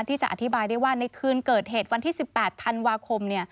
ที่จะอธิบายได้ว่าในคืนเกิดเหตุวันที่๑๘ธันวาคม